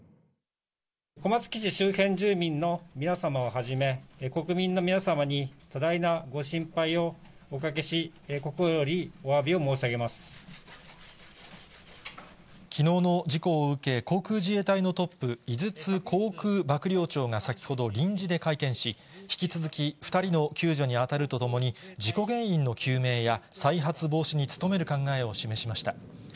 小松基地周辺住民の皆様をはじめ、国民の皆様に多大なご心配をおかけし、心よりおわびを申しきのうの事故を受け、航空自衛隊のトップ、井筒航空幕僚長が先ほど臨時で会見し、引き続き、２人の救助に当たるとともに、事故原因の究明や、再発防止に努める考えを示しました。